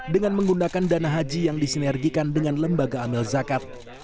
dengan menggunakan dana haji yang disinergikan dengan lembaga amil zakat